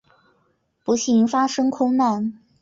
不幸发生空难。